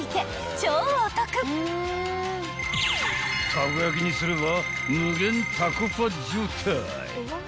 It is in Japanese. ［たこ焼きにすれば］